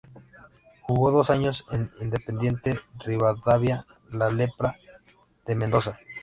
Jugó dos años en Independiente Rivadavia "La Lepra" de Mendoza.